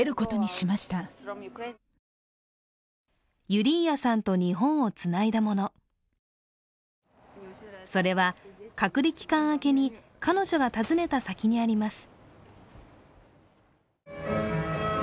ユリーアさんと日本をつないだもの、それは、隔離期間明けに彼女が訪ねた先にあります。